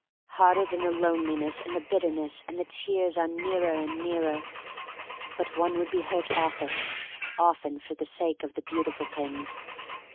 Harder than the loneliness and the bit terness — and the tears are nearer and nearer. But one would be hurt often, often for the sake of the beautiful things.